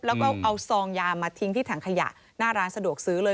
แล้วก็เอาซองยามาทิ้งที่ถังขยะหน้าร้านสะดวกซื้อเลย